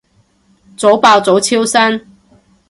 早爆早超生